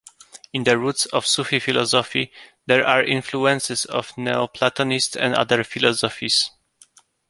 In the roots of Sufi philosophy there are influences of neoplatonist and other philosophies.